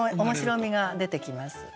面白みが出てきます。